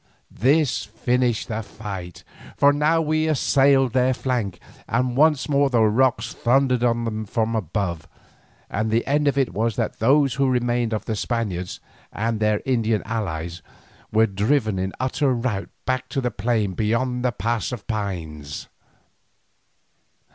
This finished the fight, for now we assailed their flank, and once more the rocks thundered on them from above, and the end of it was that those who remained of the Spaniards and their Indian allies were driven in utter rout back to the plain beyond the Pass of Pines.